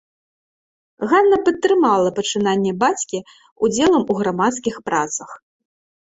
Ганна падтрымала пачынанні бацькі ўдзелам у грамадскіх працах.